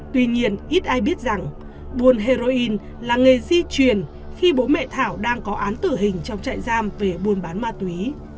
tuy nhiên ít ai biết rằng buôn heroin là nghề di truyền khi bố mẹ thảo đang có án tử hình trong trại giam về buôn bán ma túy